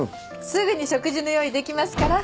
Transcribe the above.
すぐに食事の用意できますから。